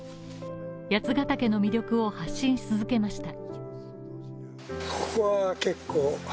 八ヶ岳の魅力を発信し続けました。